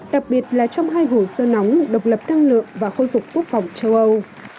đặc biệt là trong hai hồ sơ nóng độc lập năng lượng và khôi phục quốc phòng châu âu